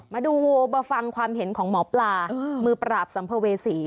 มาดูโวมาฟังความเห็นของหมอปลามือปราบสัมภเวษี